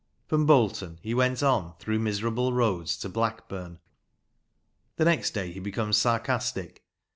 From Bolton he went on " through miserable roads " to Blackburn. The next day he becomes sarcastic.